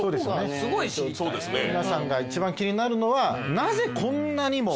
すごい知りたい皆さんが一番気になるのはなぜこんなにもそう！